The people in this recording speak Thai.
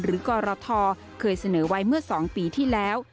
กรทเคยเสนอไว้เมื่อ๒ปีที่แล้ว